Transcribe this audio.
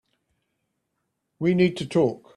We need to talk.